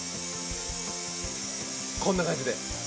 こんな感じで。